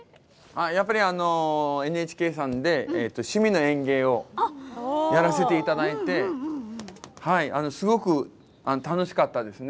ＮＨＫさんで「趣味の園芸」をやらせていただいてすごく楽しかったですね。